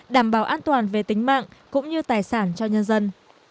đảm bảo an toàn về tính mạng cũng như tài sản cho nhân dân